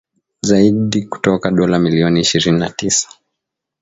Zaidi kutoka dola milioni ishirini na tisa